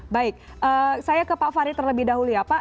baik saya ke pak fahri terlebih dahulu ya pak